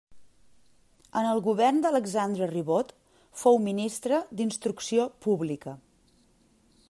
En el govern d'Alexandre Ribot fou ministre d'instrucció pública.